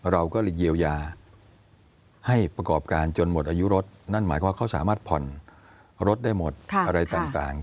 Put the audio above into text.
เราก็เลยเยียวยาให้ประกอบการจนหมดอายุรถนั่นหมายความว่าเขาสามารถผ่อนรถได้หมดอะไรต่าง